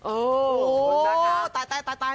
โอ้โหตาย